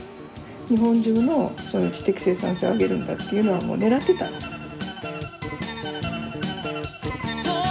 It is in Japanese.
日本中の知的生産性を上げるんだというのはもう狙ってたんです。